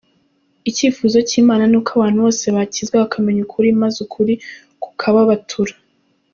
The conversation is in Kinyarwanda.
Icyifuzo cy'Imana ni uko abantu bose bakizwa bakamenya ukuri maze ukuri kukababatura.